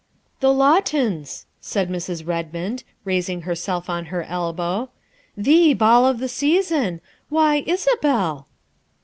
" The Lawtons," said Mrs. Redmond, raising herself on her elbow, " the ball of the season why, Isabel!"